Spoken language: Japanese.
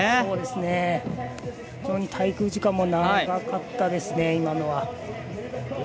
非常に滞空時間も長かったですね、今のは。